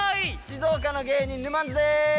静岡の芸人ぬまんづです。